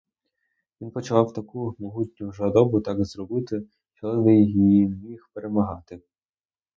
Він почував таку могутню жадобу так зробити, що ледве міг її перемагати.